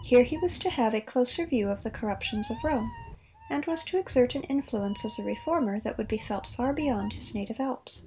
Here he was to have a closer view of the corruptions of Rome, and was to exert an influence as a Reformer that would be felt far beyond his native Alps.